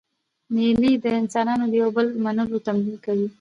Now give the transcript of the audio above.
مېلې د انسانانو د یو بل منلو تمرین کوي.